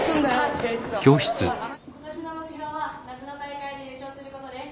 ことしの目標は夏の大会で優勝することです。